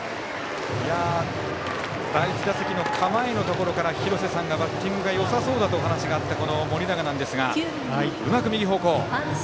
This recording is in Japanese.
第１打席の構えのところから廣瀬さんからバッティングがよさそうだとお話があった盛永なんですがうまく右方向。